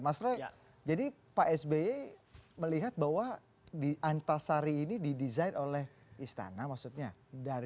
mas roy jadi pak sby melihat bahwa di antasari ini didesain oleh istana maksudnya